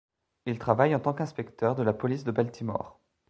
Il travaille en tant qu'inspecteur de la police de Baltimore.